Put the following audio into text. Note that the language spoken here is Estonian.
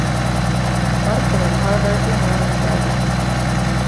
Martin on Harvardi nooremteadur.